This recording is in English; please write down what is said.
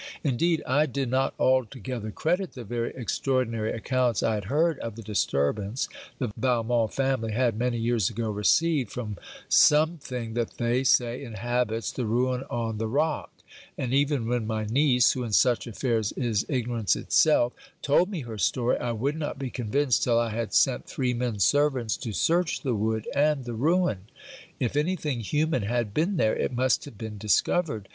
Indeed, I did not altogether credit the very extraordinary accounts I had heard of the disturbance, the Valmont family had many years ago received from some thing that they say inhabits the Ruin on the Rock; and even when my niece, who, in such affairs is ignorance itself, told me her story, I would not be convinced till I had sent three men servants to search the wood and the Ruin. If any thing human had been there, it must have been discovered.